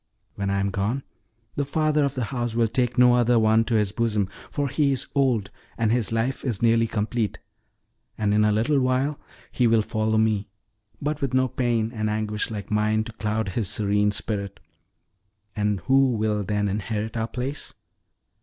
When I am gone, the father of the house will take no other one to his bosom, for he is old, and his life is nearly complete; and in a little while he will follow me, but with no pain and anguish like mine to cloud his serene spirit. And who will then inherit our place?